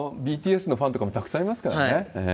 ＢＴＳのファンとかもたくさんいますからね。